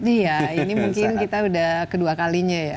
iya ini mungkin kita udah kedua kalinya ya